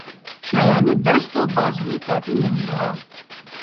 شایانِ دست و بازوےٴ قاتل نہیں رہا